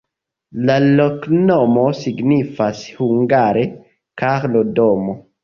La loknomo signifas hungare: Karlo-domo.